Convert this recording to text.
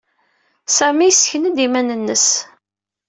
Sami yessken-d iman-nnes.